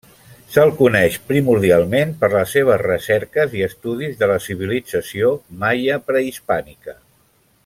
Se'l coneix primordialment per les seves recerques i estudis de la civilització maia prehispànica.